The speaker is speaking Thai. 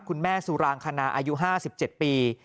คุณแม่สุรางคณาอายุ๕๗ปี